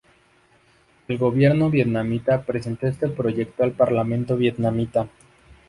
El gobierno vietnamita presentó este proyecto al Parlamento vietnamita.